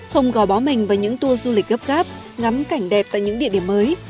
không gò bó mình vào những tour du lịch gấp gáp ngắm cảnh đẹp tại những địa điểm mới